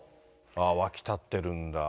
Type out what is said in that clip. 湧き立ってるんだ。